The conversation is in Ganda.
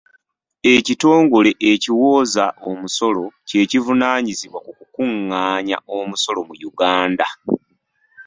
Ekitongole ekiwooza omusolo kye kivunaanyizibwa ku kukungaanya omusolo mu Uganda.